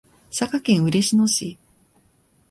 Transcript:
佐賀県嬉野市